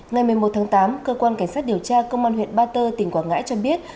ngày một mươi một tháng tám cơ quan cảnh sát điều tra công an huyện ba tơ tỉnh quảng ngãi cho biết